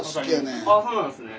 ああそうなんですね。